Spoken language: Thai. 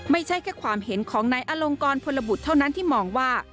ไม่ใช่แค่ความเห็นของนายอลงกรพลบุตรเท่านั้นที่มองว่า